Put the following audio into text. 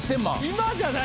今じゃない。